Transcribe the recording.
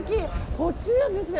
こっちなんですね。